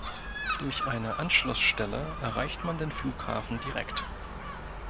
Durch eine Anschlussstelle erreicht man den Flughafen direkt.